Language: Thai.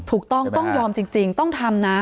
ถูกต้องต้องยอมจริงต้องทำนะ